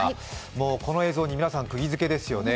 もうこの映像に皆さん、くぎづけですよね。